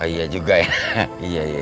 iya juga ya